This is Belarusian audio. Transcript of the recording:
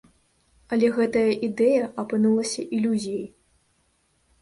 Але гэтая ідэя апынулася ілюзіяй.